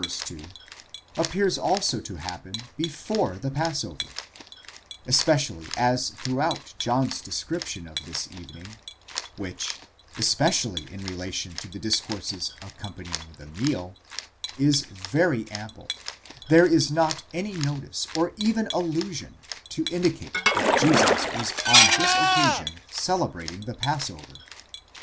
2), appears also to happen before the passover ; especially as throughout John's description of this evening, which, especially in relation to the discourses accompanying the meal, is very ample, there is not any notice or even allusion, to indicate that Jesus was on this occasion celebrating the passover.